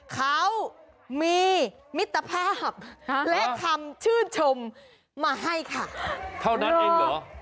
เขามีมิตรภาพและคำชื่นชมมาให้ค่ะเท่านั้นเองเหรอ